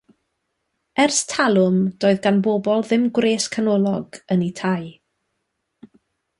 Ers talwm doedd gan bobl ddim gwres canolog yn eu tai.